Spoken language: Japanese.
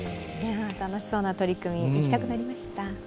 楽しそうな取り組み行きたくなりました。